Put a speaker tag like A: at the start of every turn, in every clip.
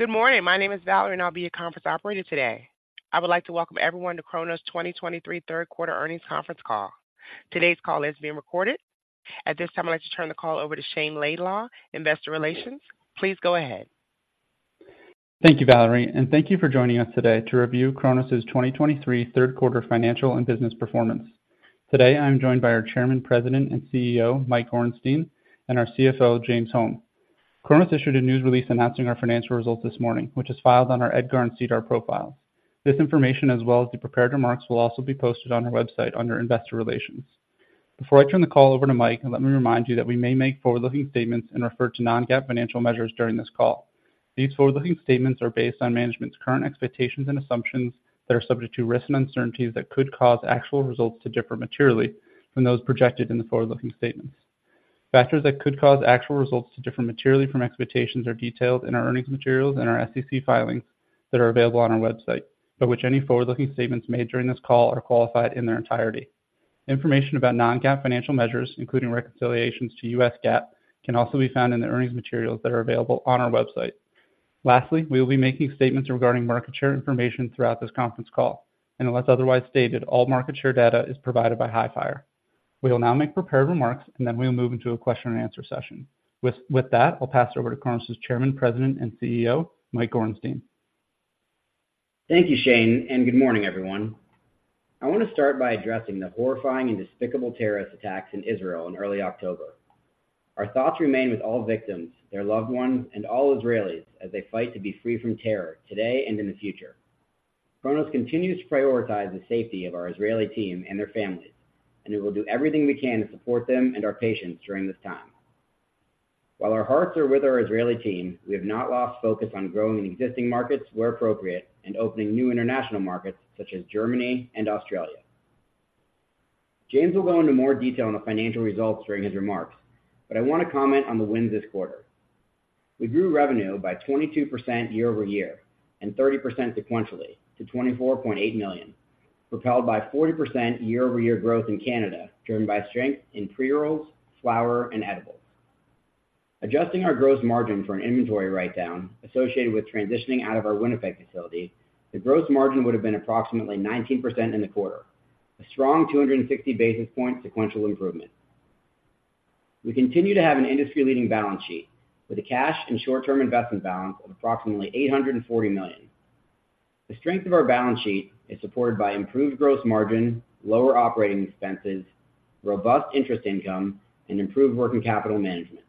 A: Good morning. My name is Valerie, and I'll be your conference operator today. I would like to welcome everyone to Cronos' 2023 third quarter earnings conference call. Today's call is being recorded. At this time, I'd like to turn the call over to Shayne Laidlaw, Investor Relations. Please go ahead.
B: Thank you, Valerie, and thank you for joining us today to review Cronos' 2023 third quarter financial and business performance. Today, I'm joined by our Chairman, President, and CEO, Mike Gorenstein, and our CFO, James Holm. Cronos issued a news release announcing our financial results this morning, which is filed on our EDGAR and SEDAR profile. This information, as well as the prepared remarks, will also be posted on our website under Investor Relations. Before I turn the call over to Mike, let me remind you that we may make forward-looking statements and refer to non-GAAP financial measures during this call. These forward-looking statements are based on management's current expectations and assumptions that are subject to risks and uncertainties that could cause actual results to differ materially from those projected in the forward-looking statements. Factors that could cause actual results to differ materially from expectations are detailed in our earnings materials and our SEC filings that are available on our website, by which any forward-looking statements made during this call are qualified in their entirety. Information about non-GAAP financial measures, including reconciliations to U.S. GAAP, can also be found in the earnings materials that are available on our website. Lastly, we will be making statements regarding market share information throughout this conference call, and unless otherwise stated, all market share data is provided by Hifyre. We will now make prepared remarks, and then we'll move into a question and answer session. With that, I'll pass it over to Cronos' Chairman, President, and CEO, Mike Gorenstein.
C: Thank you, Shayne, and good morning, everyone. I want to start by addressing the horrifying and despicable terrorist attacks in Israel in early October. Our thoughts remain with all victims, their loved ones, and all Israelis as they fight to be free from terror today and in the future. Cronos continues to prioritize the safety of our Israeli team and their families, and we will do everything we can to support them and our patients during this time. While our hearts are with our Israeli team, we have not lost focus on growing in existing markets where appropriate and opening new international markets such as Germany and Australia. James will go into more detail on the financial results during his remarks, but I want to comment on the wins this quarter. We grew revenue by 22% year-over-year, and 30% sequentially to $24.8 million, propelled by 40% year-over-year growth in Canada, driven by strength in pre-rolls, flower, and edibles. Adjusting our gross margin for an inventory write-down associated with transitioning out of our Winnipeg facility, the gross margin would have been approximately 19% in the quarter, a strong 260 basis point sequential improvement. We continue to have an industry-leading balance sheet with a cash and short-term investment balance of approximately $840 million. The strength of our balance sheet is supported by improved gross margin, lower operating expenses, robust interest income, and improved working capital management.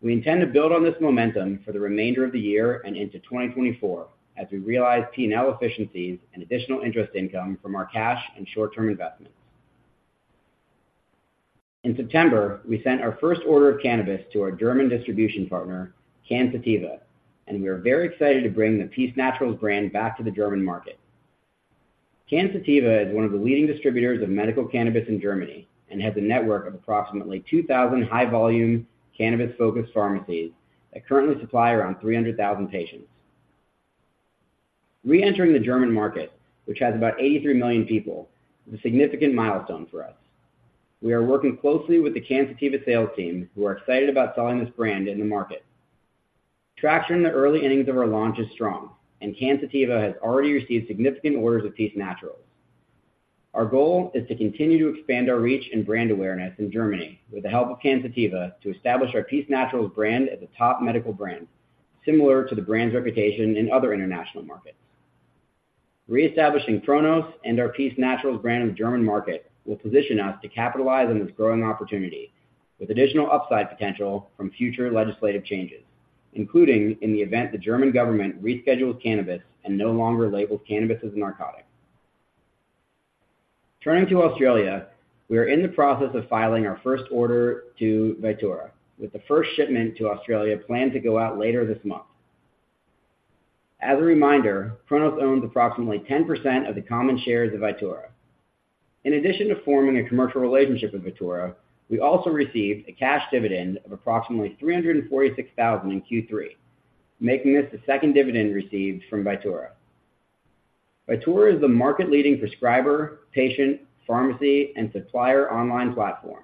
C: We intend to build on this momentum for the remainder of the year and into 2024, as we realize P&L efficiencies and additional interest income from our cash and short-term investments. In September, we sent our first order of cannabis to our German distribution partner, Cansativa, and we are very excited to bring the Peace Naturals brand back to the German market. Cansativa is one of the leading distributors of medical cannabis in Germany and has a network of approximately 2,000 high-volume, cannabis-focused pharmacies that currently supply around 300,000 patients. Reentering the German market, which has about 83 million people, is a significant milestone for us. We are working closely with the Cansativa sales team, who are excited about selling this brand in the market. Traction in the early innings of our launch is strong, and Cansativa has already received significant orders of Peace Naturals. Our goal is to continue to expand our reach and brand awareness in Germany, with the help of Cansativa, to establish our Peace Naturals brand as a top medical brand, similar to the brand's reputation in other international markets. Reestablishing Cronos and our Peace Naturals brand in the German market will position us to capitalize on this growing opportunity, with additional upside potential from future legislative changes, including in the event the German government reschedules cannabis and no longer labels cannabis as a narcotic. Turning to Australia, we are in the process of filing our first order to Vitura, with the first shipment to Australia planned to go out later this month. As a reminder, Cronos owns approximately 10% of the common shares of Vitura. In addition to forming a commercial relationship with Vitura, we also received a cash dividend of approximately $346,000 in Q3, making this the second dividend received from Vitura. Vitura is the market-leading prescriber, patient, pharmacy, and supplier online platform,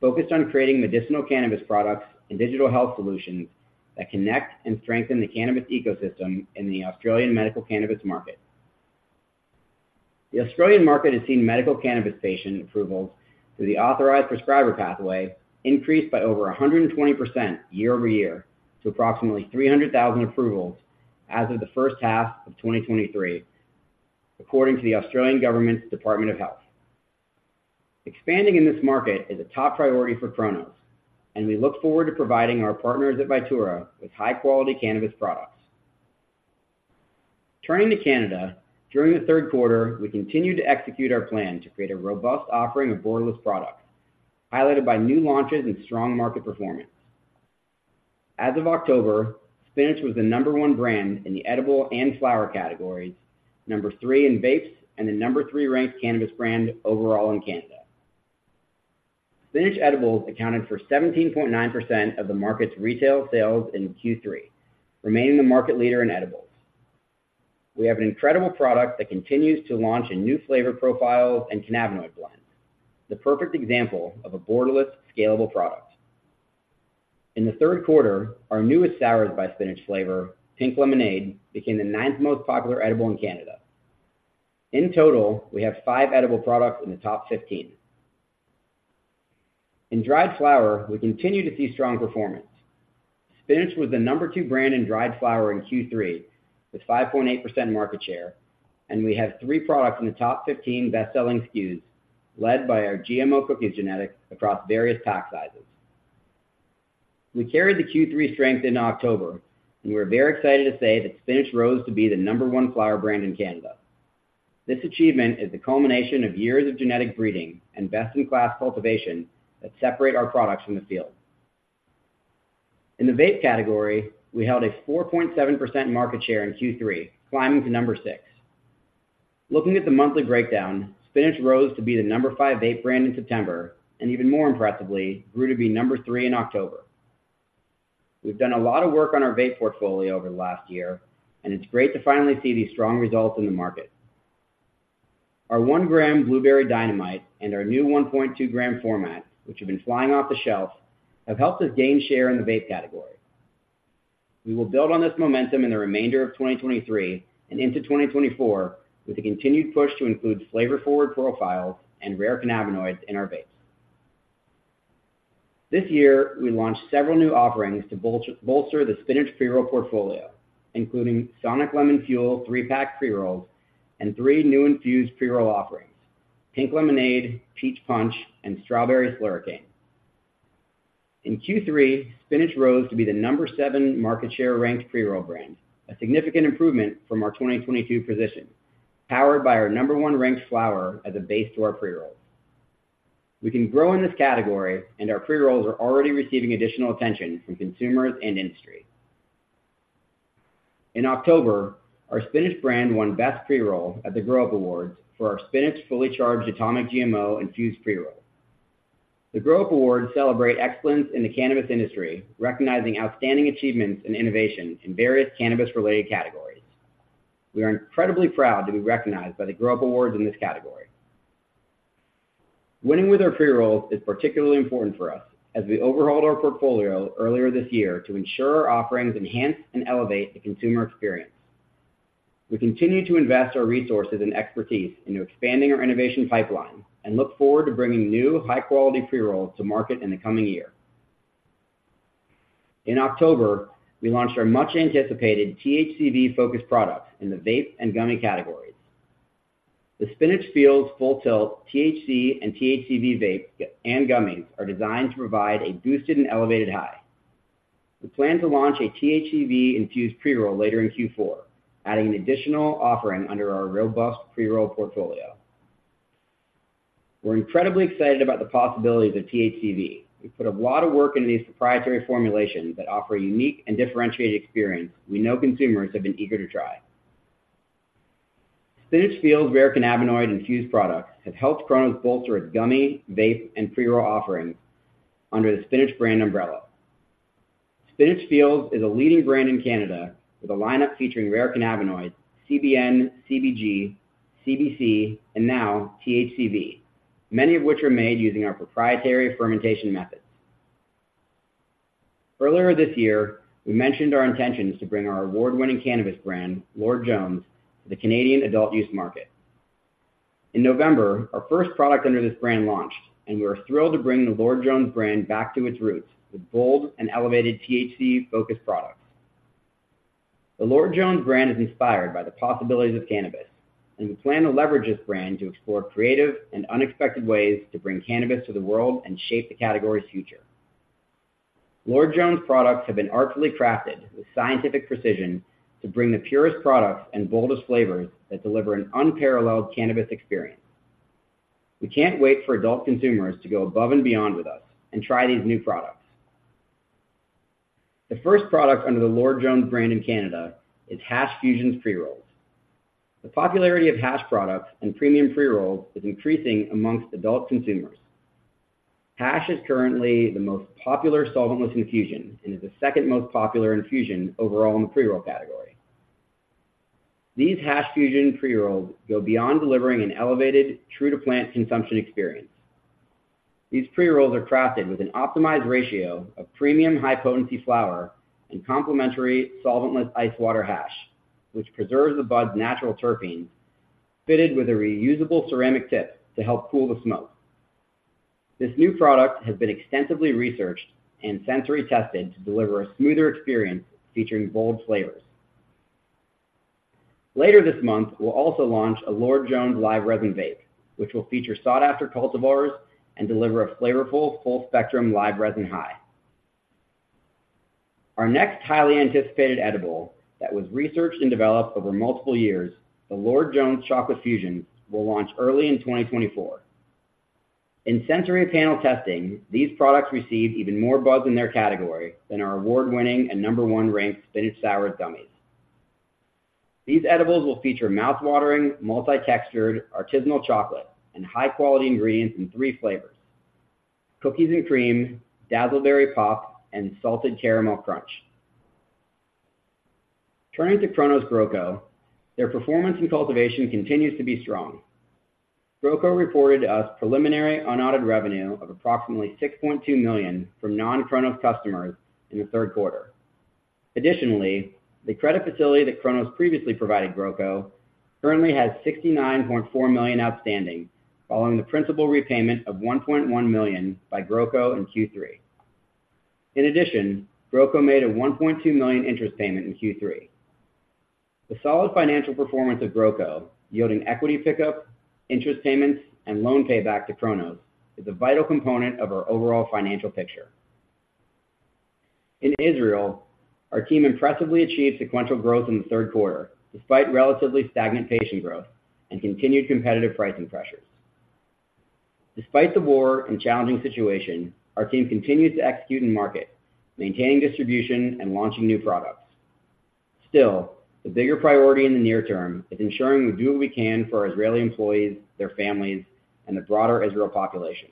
C: focused on creating medicinal cannabis products and digital health solutions that connect and strengthen the cannabis ecosystem in the Australian medical cannabis market. The Australian market has seen medical cannabis patient approvals through the Authorized Prescriber Pathway increased by over 120% year-over-year to approximately 300,000 approvals as of the first half of 2023, according to the Australian Government’s Department of Health. Expanding in this market is a top priority for Cronos, and we look forward to providing our partners at Vitura with high-quality cannabis products. Turning to Canada, during the third quarter, we continued to execute our plan to create a robust offering of borderless products, highlighted by new launches and strong market performance. As of October, Spinach was the number one brand in the edible and flower categories, number three in vapes, and the number three-ranked cannabis brand overall in Canada. Spinach edibles accounted for 17.9% of the market's retail sales in Q3, remaining the market leader in edibles. We have an incredible product that continues to launch in new flavor profiles and cannabinoid blends. The perfect example of a Borderless, scalable product. In the third quarter, our newest SOURZ by Spinach flavor, Pink Lemonade, became the ninth most popular edible in Canada. In total, we have five edible products in the top 15. In dried flower, we continue to see strong performance. Spinach was the number two brand in dried flower in Q3, with 5.8% market share, and we have three products in the top 15 best-selling SKUs, led by our GMO Cookies genetic across various pack sizes. We carried the Q3 strength into October, and we are very excited to say that Spinach rose to be the number one flower brand in Canada. This achievement is the culmination of years of genetic breeding and best-in-class cultivation that separate our products from the field. In the vape category, we held a 4.7% market share in Q3, climbing to number six. Looking at the monthly breakdown, Spinach rose to be the number five vape brand in September, and even more impressively, grew to be number three in October. We've done a lot of work on our vape portfolio over the last year, and it's great to finally see these strong results in the market. Our 1 g Blueberry Dynamite and our new 1.2 g-format, which have been flying off the shelf, have helped us gain share in the vape category. We will build on this momentum in the remainder of 2023 and into 2024, with a continued push to include flavor-forward profiles and rare cannabinoids in our vapes. This year, we launched several new offerings to bolster the Spinach pre-roll portfolio, including Sonic Lemon Fuel 3-pack pre-rolls and three new infused pre-roll offerings: Pink Lemonade, Peach Punch, and Strawberry Slurricane. In Q3, Spinach rose to be the number seven market share-ranked pre-roll brand, a significant improvement from our 2022 position, powered by our number one-ranked flower as a base to our pre-rolls. We can grow in this category, and our pre-rolls are already receiving additional attention from consumers and industry. In October, our Spinach brand won Best Pre-Roll at the Grow Up Awards for our Spinach Fully Charged Atomic GMO infused pre-roll. The Grow Up Awards celebrate excellence in the cannabis industry, recognizing outstanding achievements and innovation in various cannabis-related categories. We are incredibly proud to be recognized by the Grow Up Awards in this category. Winning with our pre-rolls is particularly important for us, as we overhauled our portfolio earlier this year to ensure our offerings enhance and elevate the consumer experience. We continue to invest our resources and expertise into expanding our innovation pipeline and look forward to bringing new high-quality pre-rolls to market in the coming year. In October, we launched our much-anticipated THCV-focused products in the vape and gummy categories. The Spinach FEELZ Full Tilt THC and THCV vapes and gummies are designed to provide a boosted and elevated high. We plan to launch a THCV-infused pre-roll later in Q4, adding an additional offering under our robust pre-roll portfolio. We're incredibly excited about the possibilities of THCV. We've put a lot of work into these proprietary formulations that offer a unique and differentiated experience we know consumers have been eager to try. Spinach FEELZ rare cannabinoid-infused products have helped Cronos bolster its gummy, vape, and pre-roll offerings under the Spinach brand umbrella. Spinach FEELZ is a leading brand in Canada, with a lineup featuring rare cannabinoids, CBN, CBG, CBC, and now THCV, many of which are made using our proprietary fermentation methods. Earlier this year, we mentioned our intentions to bring our award-winning cannabis brand, Lord Jones, to the Canadian adult use market. In November, our first product under this brand launched, and we are thrilled to bring the Lord Jones brand back to its roots with bold and elevated THC-focused products. The Lord Jones brand is inspired by the possibilities of cannabis, and we plan to leverage this brand to explore creative and unexpected ways to bring cannabis to the world and shape the category's future. Lord Jones products have been artfully crafted with scientific precision to bring the purest products and boldest flavors that deliver an unparalleled cannabis experience. We can't wait for adult consumers to go above and beyond with us and try these new products. The first product under the Lord Jones brand in Canada is Hash Fusion pre-rolls. The popularity of hash products and premium pre-rolls is increasing among adult consumers. Hash is currently the most popular solventless infusion and is the second most popular infusion overall in the pre-roll category. These Hash Fusion pre-rolls go beyond delivering an elevated, true-to-plant consumption experience. These pre-rolls are crafted with an optimized ratio of premium high-potency flower and complementary solventless ice water hash, which preserves the bud's natural terpenes, fitted with a reusable ceramic tip to help cool the smoke. This new product has been extensively researched and sensory tested to deliver a smoother experience featuring bold flavors. Later this month, we'll also launch a Lord Jones live resin vape, which will feature sought-after cultivars and deliver a flavorful, full-spectrum live resin high. Our next highly anticipated edible that was researched and developed over multiple years, the Lord Jones Chocolate Fusions, will launch early in 2024. In sensory panel testing, these products received even more buzz in their category than our award-winning and number one-ranked Spinach SOURZ gummies. These edibles will feature mouth-watering, multi-textured artisanal chocolate, and high-quality ingredients in three flavors: Cookies and Cream, Dazzleberry Pop, and Salted Caramel Crunch. Turning to Cronos GrowCo, their performance in cultivation continues to be strong. GrowCo reported to us preliminary unaudited revenue of approximately $6.2 million from non-Cronos customers in the third quarter. Additionally, the credit facility that Cronos previously provided GrowCo currently has $69.4 million outstanding, following the principal repayment of $1.1 million by GrowCo in Q3. In addition, GrowCo made a $1.2 million interest payment in Q3. The solid financial performance of GrowCo, yielding equity pickup, interest payments, and loan payback to Cronos, is a vital component of our overall financial picture. In Israel, our team impressively achieved sequential growth in the third quarter, despite relatively stagnant patient growth and continued competitive pricing pressures. Despite the war and challenging situation, our team continues to execute in market, maintaining distribution and launching new products. Still, the bigger priority in the near term is ensuring we do what we can for our Israeli employees, their families, and the broader Israel population.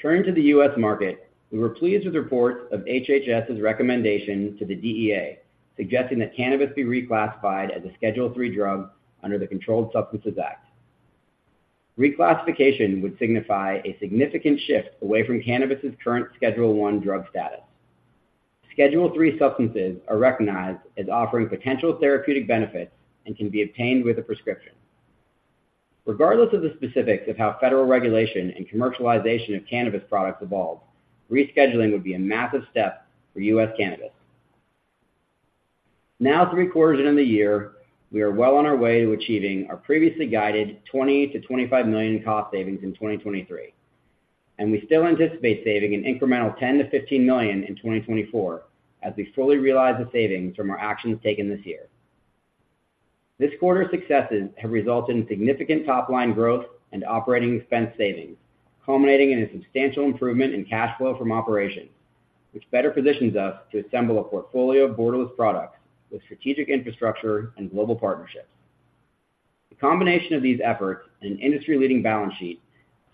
C: Turning to the U.S. market, we were pleased with reports of HHS's recommendation to the DEA, suggesting that cannabis be reclassified as a Schedule III drug under the Controlled Substances Act. Reclassification would signify a significant shift away from cannabis' current Schedule I drug status. Schedule III substances are recognized as offering potential therapeutic benefits and can be obtained with a prescription. Regardless of the specifics of how federal regulation and commercialization of cannabis products evolve, rescheduling would be a massive step for U.S. cannabis. Now, three quarters into the year, we are well on our way to achieving our previously guided $20-$25 million cost savings in 2023, and we still anticipate saving an incremental $10-$15 million in 2024 as we fully realize the savings from our actions taken this year. This quarter's successes have resulted in significant top-line growth and operating expense savings, culminating in a substantial improvement in cash flow from operations, which better positions us to assemble a portfolio of borderless products with strategic infrastructure and global partnerships. The combination of these efforts and an industry-leading balance sheet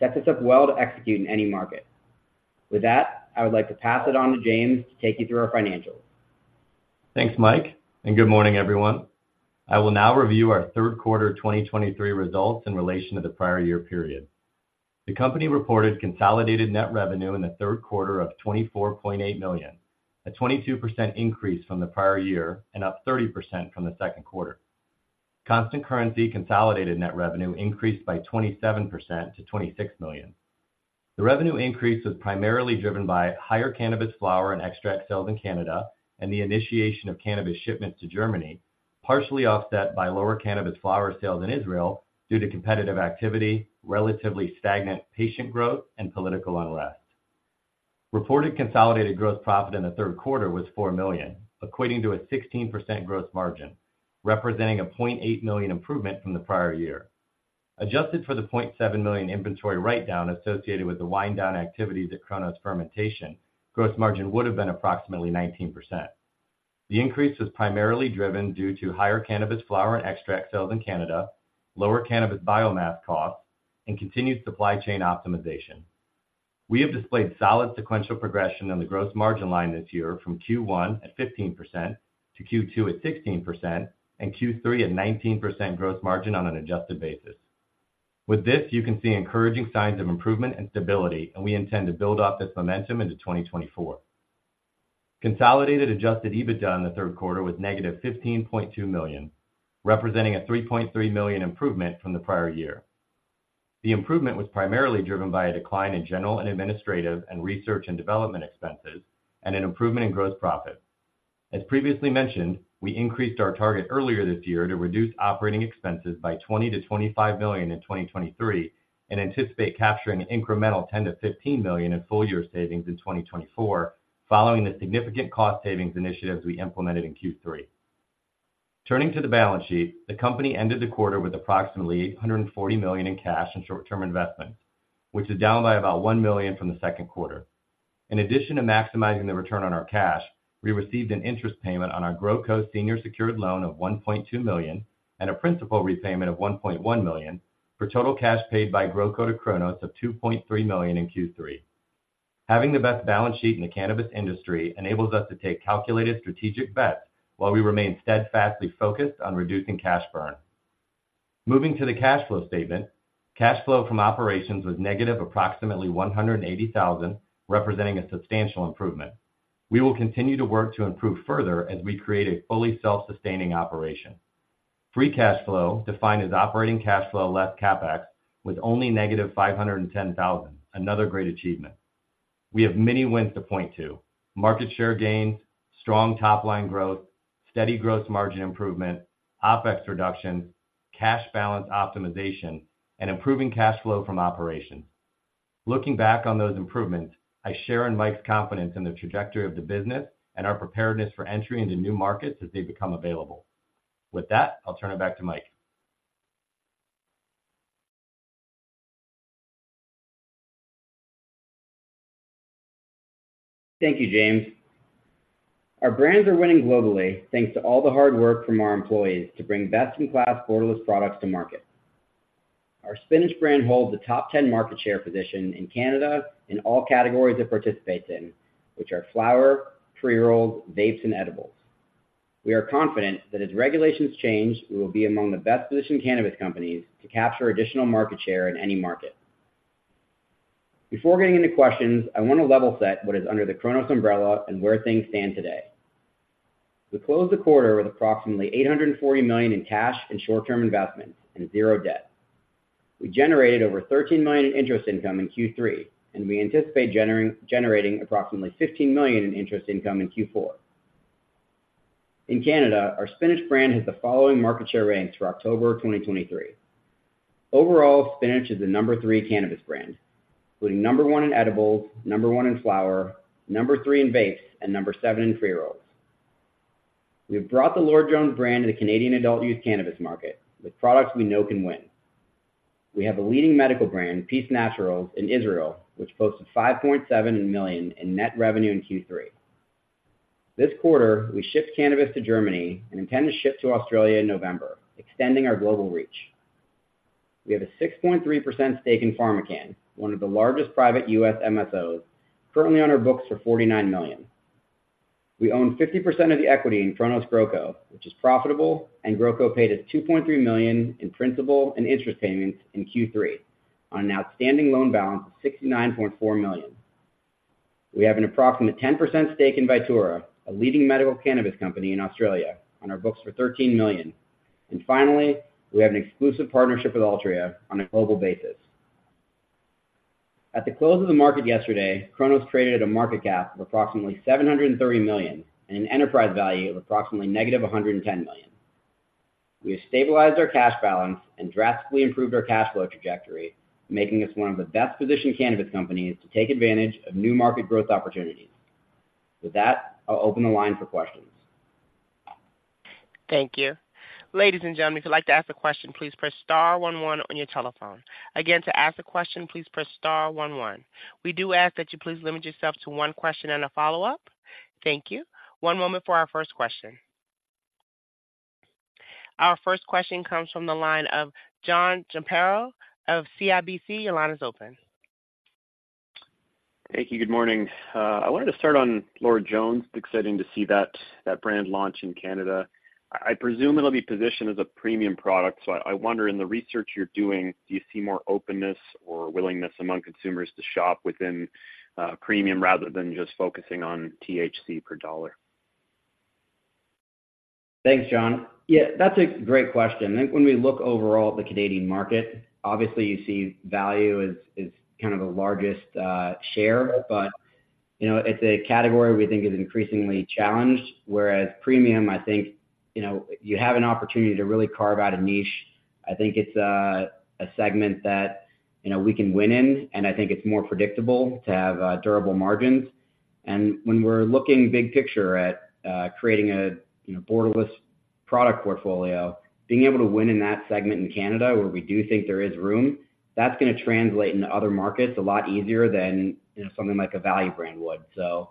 C: sets us up well to execute in any market. With that, I would like to pass it on to James to take you through our financials.
D: Thanks, Mike, and good morning, everyone. I will now review our third quarter 2023 results in relation to the prior year period. The company reported consolidated net revenue in the third quarter of $24.8 million, a 22% increase from the prior year and up 30% from the second quarter. Constant currency consolidated net revenue increased by 27% to $26 million. The revenue increase was primarily driven by higher cannabis flower and extract sales in Canada and the initiation of cannabis shipments to Germany, partially offset by lower cannabis flower sales in Israel due to competitive activity, relatively stagnant patient growth, and political unrest. Reported consolidated gross profit in the third quarter was $4 million, equating to a 16% gross margin, representing a $0.8 million improvement from the prior year. Adjusted for the $0.7 million inventory write-down associated with the wind-down activities at Cronos Fermentation, gross margin would have been approximately 19%. The increase was primarily driven due to higher cannabis flower and extract sales in Canada, lower cannabis biomass costs, and continued supply chain optimization. We have displayed solid sequential progression on the gross margin line this year from Q1 at 15% to Q2 at 16% and Q3 at 19% gross margin on an adjusted basis. With this, you can see encouraging signs of improvement and stability, and we intend to build off this momentum into 2024. Consolidated Adjusted EBITDA in the third quarter was -$15.2 million, representing a $3.3 million improvement from the prior year. The improvement was primarily driven by a decline in general and administrative, and research and development expenses, and an improvement in gross profit. As previously mentioned, we increased our target earlier this year to reduce operating expenses by $20-$25 million in 2023, and anticipate capturing an incremental $10-$15 million in full year savings in 2024, following the significant cost savings initiatives we implemented in Q3. Turning to the balance sheet, the company ended the quarter with approximately $840 million in cash and short-term investments, which is down by about $1 million from the second quarter. In addition to maximizing the return on our cash, we received an interest payment on our GrowCo senior secured loan of $1.2 million and a principal repayment of $1.1 million, for total cash paid by GrowCo to Cronos of $2.3 million in Q3. Having the best balance sheet in the cannabis industry enables us to take calculated strategic bets while we remain steadfastly focused on reducing cash burn. Moving to the cash flow statement, cash flow from operations was negative approximately $180,000, representing a substantial improvement. We will continue to work to improve further as we create a fully self-sustaining operation. Free cash flow, defined as operating cash flow less CapEx, was only negative $510,000, another great achievement. We have many wins to point to: market share gains, strong top-line growth, steady gross margin improvement, OpEx reduction, cash balance optimization, and improving cash flow from operations. Looking back on those improvements, I share in Mike's confidence in the trajectory of the business and our preparedness for entry into new markets as they become available. With that, I'll turn it back to Mike.
C: Thank you, James. Our brands are winning globally, thanks to all the hard work from our employees to bring best-in-class borderless products to market. Our Spinach brand holds the top 10 market share position in Canada in all categories it participates in, which are flower, pre-rolled, vapes, and edibles. We are confident that as regulations change, we will be among the best-positioned cannabis companies to capture additional market share in any market. Before getting into questions, I want to level set what is under the Cronos umbrella and where things stand today. We closed the quarter with approximately $840 million in cash and short-term investments and zero debt. We generated over $13 million in interest income in Q3, and we anticipate generating approximately $15 million in interest income in Q4. In Canada, our Spinach brand has the following market share ranks for October 2023. Overall, Spinach is the number three cannabis brand, including number one in edibles, number one in flower, number three in vapes, and number seven in pre-rolls. We have brought the Lord Jones brand to the Canadian adult-use cannabis market, with products we know can win. We have a leading medical brand, Peace Naturals, in Israel, which posted $5.7 million in net revenue in Q3. This quarter, we shipped cannabis to Germany and intend to ship to Australia in November, extending our global reach. We have a 6.3% stake in PharmaCann, one of the largest private U.S. MSOs, currently on our books for $49 million. We own 50% of the equity in Cronos GrowCo, which is profitable, and GrowCo paid us $2.3 million in principal and interest payments in Q3 on an outstanding loan balance of $69.4 million. We have an approximate 10% stake in Vitura, a leading medical cannabis company in Australia, on our books for $13 million. And finally, we have an exclusive partnership with Altria on a global basis. At the close of the market yesterday, Cronos traded at a market cap of approximately $730 million and an enterprise value of approximately -$110 million. We have stabilized our cash balance and drastically improved our cash flow trajectory, making us one of the best-positioned cannabis companies to take advantage of new market growth opportunities. With that, I'll open the line for questions.
A: Thank you. Ladies and gentlemen, if you'd like to ask a question, please press star one one on your telephone. Again, to ask a question, please press star one one. We do ask that you please limit yourself to one question and a follow-up. Thank you. One moment for our first question. Our first question comes from the line of John Zamparo of CIBC. Your line is open.
E: Thank you. Good morning. I wanted to start on Lord Jones. Exciting to see that, that brand launch in Canada. I, I presume it'll be positioned as a premium product, so I, I wonder, in the research you're doing, do you see more openness or willingness among consumers to shop within premium rather than just focusing on THC per dollar?
C: Thanks, John. Yeah, that's a great question. I think when we look overall at the Canadian market, obviously, you see value is kind of the largest share. But, you know, it's a category we think is increasingly challenged, whereas premium, I think, you know, you have an opportunity to really carve out a niche. I think it's a segment that, you know, we can win in, and I think it's more predictable to have durable margins. And when we're looking big picture at creating a, you know, borderless product portfolio, being able to win in that segment in Canada, where we do think there is room, that's going to translate into other markets a lot easier than, you know, something like a value brand would. So,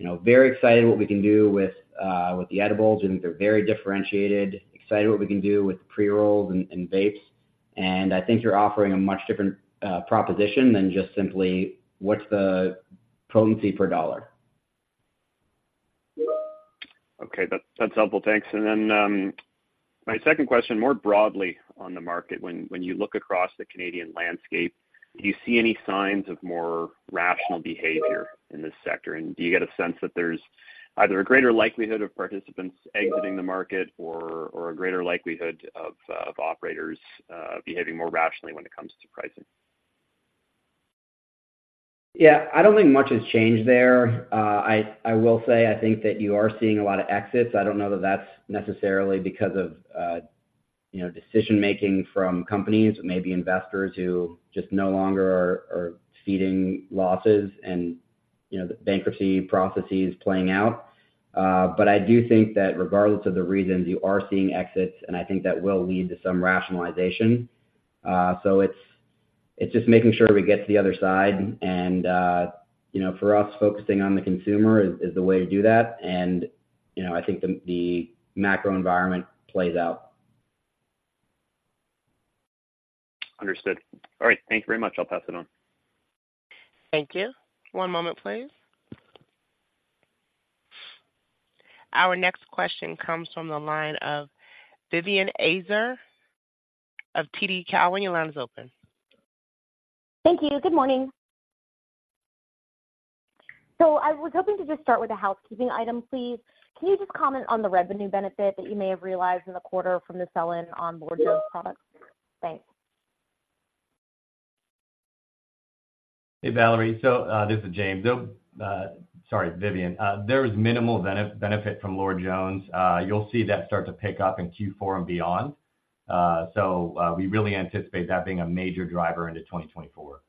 C: you know, very excited what we can do with the edibles. We think they're very differentiated, excited what we can do with pre-rolls and vapes. I think you're offering a much different proposition than just simply what's the potency per dollar.
E: Okay. That's helpful. Thanks. And then, my second question, more broadly on the market, when you look across the Canadian landscape, do you see any signs of more rational behavior in this sector? And do you get a sense that there's either a greater likelihood of participants exiting the market or a greater likelihood of operators behaving more rationally when it comes to pricing?
C: Yeah, I don't think much has changed there. I will say, I think that you are seeing a lot of exits. I don't know that that's necessarily because of, you know, decision-making from companies, maybe investors who just no longer are seeding losses and, you know, the bankruptcy processes playing out. But I do think that regardless of the reasons, you are seeing exits, and I think that will lead to some rationalization. So it's just making sure we get to the other side, and, you know, for us, focusing on the consumer is the way to do that. And, you know, I think the macro environment plays out.
E: Understood. All right. Thank you very much. I'll pass it on.
A: Thank you. One moment, please. Our next question comes from the line of Vivien Azer of TD Cowen. Your line is open.
F: Thank you. Good morning. I was hoping to just start with a housekeeping item, please. Can you just comment on the revenue benefit that you may have realized in the quarter from the sell-in on Lord Jones products? Thanks.
D: Hey, Valerie. So, this is James. Sorry, Vivian. There is minimal benefit from Lord Jones. You'll see that start to pick up in Q4 and beyond. So, we really anticipate that being a major driver into 2024.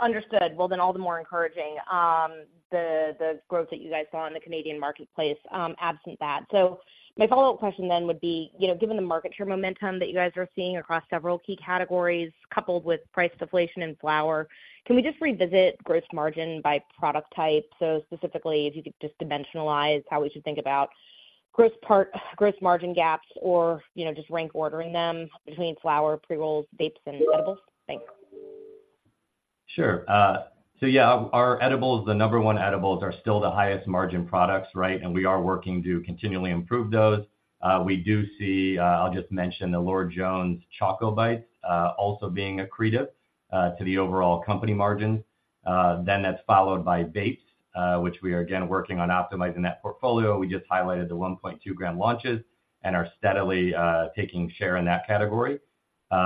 F: Understood. Well, then all the more encouraging, the growth that you guys saw in the Canadian marketplace, absent that. So my follow-up question then would be, you know, given the market share momentum that you guys are seeing across several key categories, coupled with price deflation and flower, can we just revisit gross margin by product type? So specifically, if you could just dimensionalize how we should think about gross margin gaps or, you know, just rank ordering them between flower, pre-rolls, vapes, and edibles? Thanks.
C: Sure. So yeah, our edibles, the number one edibles are still the highest margin products, right? And we are working to continually improve those. We do see, I'll just mention the Lord Jones Choco Bites, also being accretive, to the overall company margin. Then that's followed by vapes, which we are again, working on optimizing that portfolio. We just highlighted the 1.2 g launches and are steadily, taking share in that category.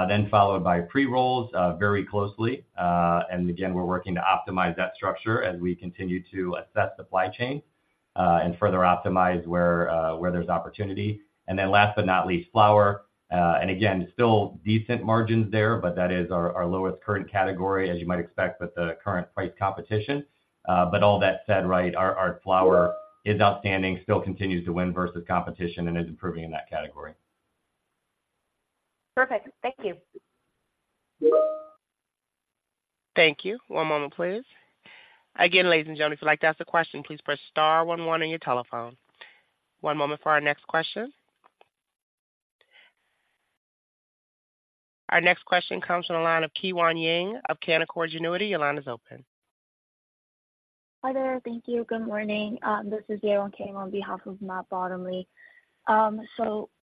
C: Then followed by pre-rolls, very closely. And again, we're working to optimize that structure as we continue to assess supply chain, and further optimize where, where there's opportunity. And then last but not least, flower. And again, still decent margins there, but that is our, our lowest current category, as you might expect with the current price competition. But all that said, right, our flower is outstanding, still continues to win versus competition and is improving in that category.
F: Perfect. Thank you.
A: Thank you. One moment, please. Again, ladies and gentlemen, if you'd like to ask a question, please press star one one on your telephone. One moment for our next question. Our next question comes from the line of Yewon Kang of Canaccord Genuity. Your line is open.
G: Hi there. Thank you. Good morning. This is Yewon Kang on behalf of Matt Bottomley.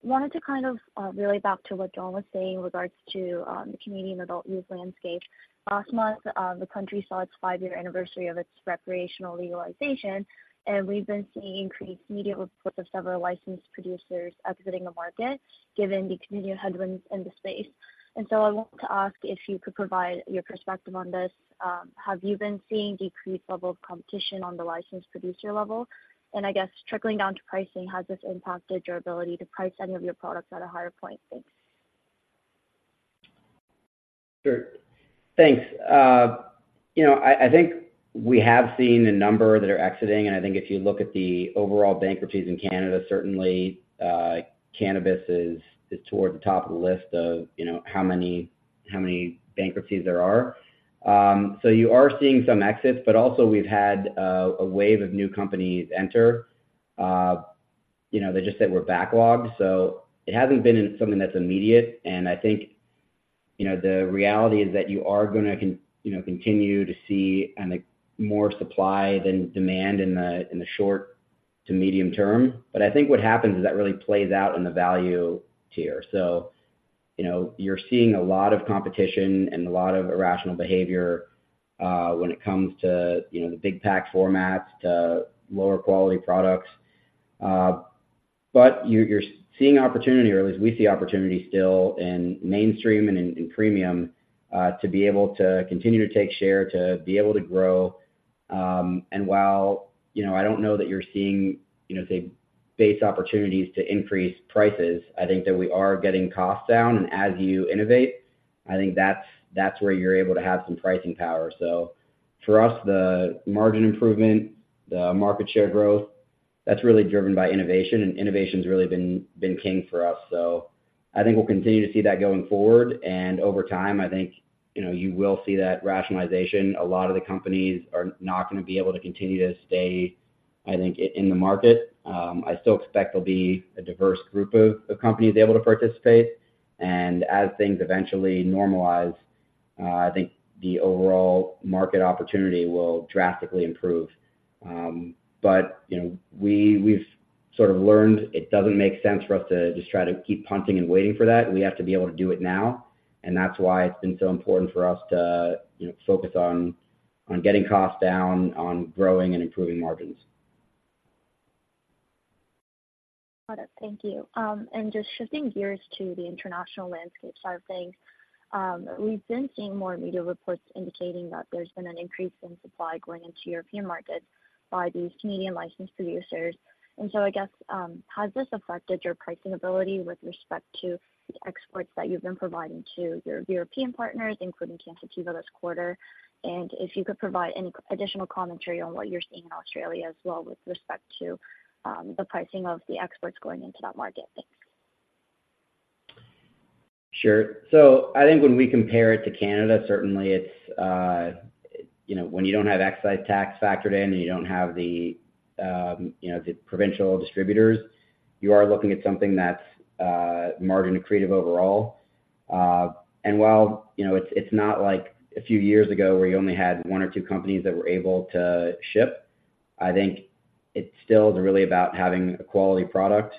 G: Wanted to kind of relay back to what John was saying with regards to the Canadian adult-use landscape. Last month the country saw its five-year anniversary of its recreational legalization, and we've been seeing increased media reports of several licensed producers exiting the market, given the continuing headwinds in the space. I wanted to ask if you could provide your perspective on this. Have you been seeing decreased level of competition on the licensed producer level? And I guess trickling down to pricing, has this impacted your ability to price any of your products at a higher point? Thanks.
C: Sure. Thanks. You know, I think we have seen a number that are exiting, and I think if you look at the overall bankruptcies in Canada, certainly cannabis is toward the top of the list of, you know, how many bankruptcies there are. So you are seeing some exits, but also we've had a wave of new companies enter. You know, they just said we're backlogged, so it hasn't been something that's immediate. And I think, you know, the reality is that you are gonna continue to see more supply than demand in the short to medium term. But I think what happens is that really plays out in the value tier. So, you know, you're seeing a lot of competition and a lot of irrational behavior, when it comes to, you know, the big pack formats, to lower quality products. But you're seeing opportunity, or at least we see opportunity still in mainstream and in premium, to be able to continue to take share, to be able to grow. And while, you know, I don't know that you're seeing, you know, say, base opportunities to increase prices, I think that we are getting costs down. And as you innovate, I think that's where you're able to have some pricing power. So for us, the margin improvement, the market share growth, that's really driven by innovation, and innovation's really been king for us. So I think we'll continue to see that going forward. Over time, I think, you know, you will see that rationalization. A lot of the companies are not gonna be able to continue to stay, I think, in the market. I still expect there'll be a diverse group of companies able to participate. And as things eventually normalize, I think the overall market opportunity will drastically improve. But, you know, we've sort of learned it doesn't make sense for us to just try to keep punting and waiting for that. We have to be able to do it now, and that's why it's been so important for us to, you know, focus on getting costs down, on growing and improving margins.
G: Got it. Thank you. And just shifting gears to the international landscape side of things. We've been seeing more media reports indicating that there's been an increase in supply going into European markets by these Canadian licensed producers. And so I guess, has this affected your pricing ability with respect to the exports that you've been providing to your European partners, including Cansativa this quarter? And if you could provide any additional commentary on what you're seeing in Australia as well with respect to the pricing of the exports going into that market. Thanks.
C: Sure. So I think when we compare it to Canada, certainly it's, you know, when you don't have excise tax factored in and you don't have the, you know, the provincial distributors, you are looking at something that's margin accretive overall. And while, you know, it's not like a few years ago where you only had one or two companies that were able to ship, I think it's still really about having a quality product.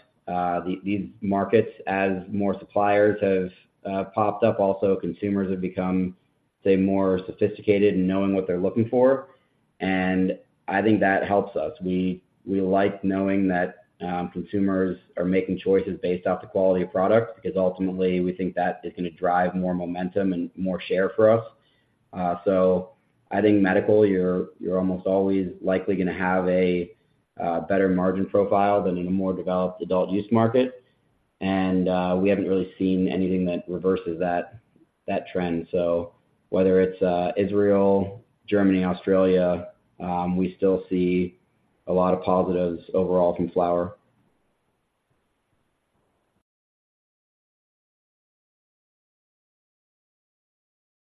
C: These markets, as more suppliers have popped up, also consumers have become, say, more sophisticated in knowing what they're looking for, and I think that helps us. We like knowing that consumers are making choices based off the quality of product, because ultimately we think that is gonna drive more momentum and more share for us. So I think medical, you're almost always likely gonna have a better margin profile than in a more developed adult use market. And we haven't really seen anything that reverses that trend. So whether it's Israel, Germany, Australia, we still see a lot of positives overall from flower.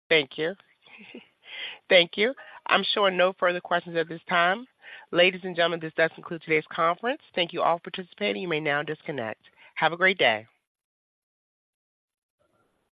A: Thank you. Thank you. I'm showing no further questions at this time. Ladies and gentlemen, this does conclude today's conference. Thank you all for participating. You may now disconnect. Have a great day.